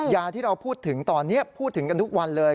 ยาที่เราพูดถึงตอนนี้พูดถึงกันทุกวันเลย